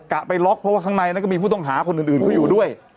ะไปล็อกเพราะว่าข้างในนั้นก็มีผู้ต้องหาคนอื่นเขาอยู่ด้วย